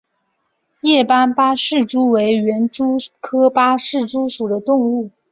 叶斑八氏蛛为园蛛科八氏蛛属的动物。